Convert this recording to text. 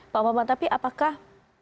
pak bapak tapi apakah